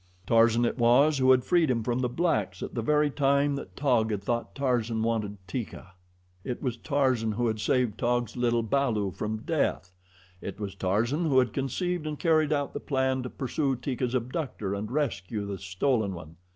Tarzan it was who had freed him from the blacks at the very time that Taug had thought Tarzan wanted Teeka. It was Tarzan who had saved Taug's little balu from death. It was Tarzan who had conceived and carried out the plan to pursue Teeka's abductor and rescue the stolen one.